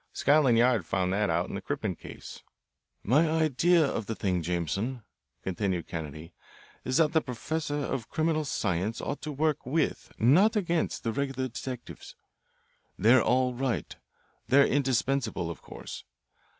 Scotland Yard found that out in the Crippen case." "My idea of the thing, Jameson," continued Kennedy, "is that the professor of criminal science ought to work with, not against, the regular detectives. They're all right. They're indispensable, of course.